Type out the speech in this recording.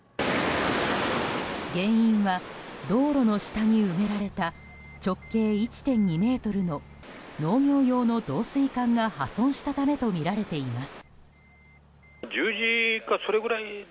原因は道路の下に埋められた直径１．２ｍの農業用の導水管が破損したためとみられています。